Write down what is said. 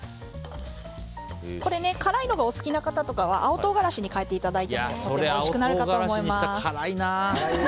辛いのがお好きな方とかは青唐辛子に変えていただいてもとてもおいしくなるかと思います。